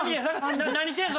何してん？